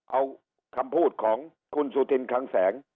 เอาคำพูดของคุณสุธินคังแสง